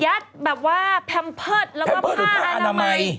แบบว่าแพมเพิร์ตแล้วก็ผ้าอนามัย